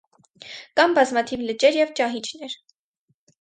Կան բազմաթիվ լճեր և ճահիճներ։